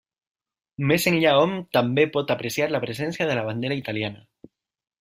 Més enllà hom també pot apreciar la presència de la bandera italiana.